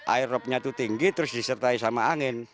air rop nya itu tinggi terus disertai sama angin